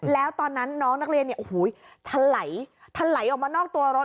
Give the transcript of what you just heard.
แล้วตอนนั้นน้องนักเรียนถลายออกมานอกตัวรถ